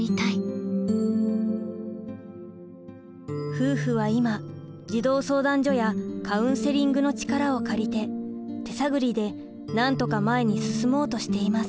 夫婦は今児童相談所やカウンセリングの力を借りて手探りでなんとか前に進もうとしています。